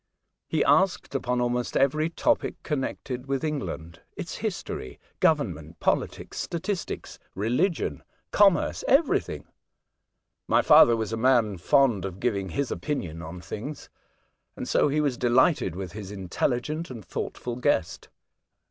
He asked upon almost every topic connected with England — its history, govern ment, politics, statistics, religion, commerce — 26 A Voyage to Other Worlds. everything. My father was a man fond of giving his opinion on things, and so he was dehghted with his intelhgent and thoughtful guest.